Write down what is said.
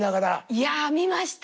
いや見ました！